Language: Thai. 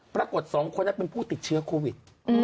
ปรากฏ๒คนนั้นเป็นผู้ติดเชื้อโควิด